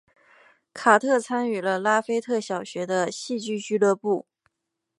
卡特参与了拉斐特小学的戏剧俱乐部。